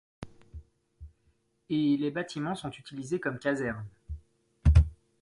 Et les bâtiments sont utilisés comme caserne.